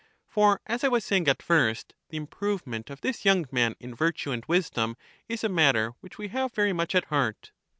For, as I was saying at first, the improvement of this young man in virtue and wisdom is a matter which we have very much at heart.